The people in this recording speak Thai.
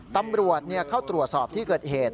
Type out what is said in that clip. ตำรวจเข้าตรวจสอบที่เกิดเหตุ